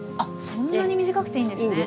そんなに短くていいんですね。